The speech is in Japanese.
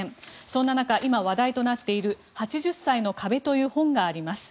そんな中、今話題となっている「８０歳の壁」という本があります。